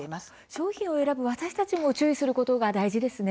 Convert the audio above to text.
商品を選ぶ私たちも気をつけることが大事ですね。